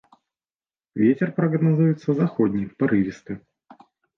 Вецер прагназуецца заходні парывісты.